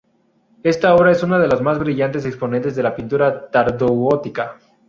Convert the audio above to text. Esta obra es uno de los más brillantes exponentes de la pintura tardogótica.